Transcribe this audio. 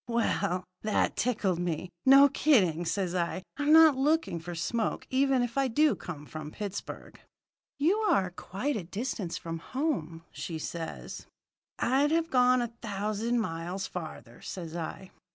"Well, that tickled me. 'No kidding,' says I. 'I'm not looking for smoke, even if I do come from Pittsburgh.' "'You are quite a distance from home,' says she. "'I'd have gone a thousand miles farther,' says I.